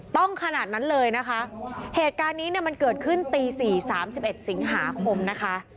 ต้องขนาดนั้นเลยนะคะเหตุการณ์นี้มันเกิดขึ้นตี๔๓๑สิงหาคมนะคะ